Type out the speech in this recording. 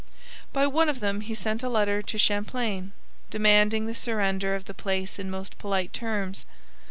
By one of them he sent a letter to Champlain, demanding the surrender of the place in most polite terms.